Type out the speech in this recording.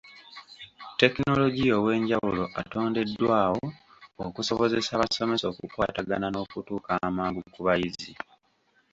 Tekinologiya ow'enjawulo atondeddwawo okusobozesa abasomesa okukwatagana n'okutuuka amangu ku bayizi.